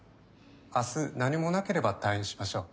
明日何もなければ退院しましょう。